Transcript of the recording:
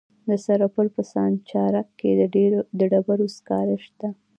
د سرپل په سانچارک کې د ډبرو سکاره شته.